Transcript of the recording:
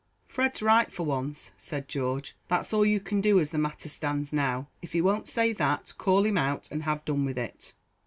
"Fred's right for once," said George, "that's all you can do as the matter stands now. If he won't say that, call him out and have done with it."